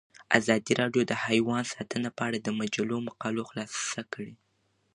ازادي راډیو د حیوان ساتنه په اړه د مجلو مقالو خلاصه کړې.